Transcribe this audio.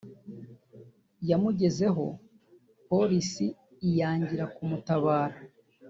yamugezeho Polisi iyangira kumutabara